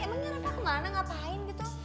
emangnya anaknya kemana ngapain gitu